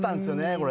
これ。